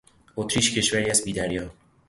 اتریش کشوری است بیدریا